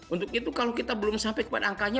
untuk itu kalau kita belum sampai kepada angkanya